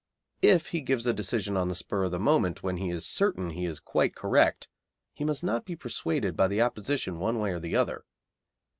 If he gives a decision on the spur of the moment when he is certain he is quite correct, he must not be persuaded by the opposition one way or the other.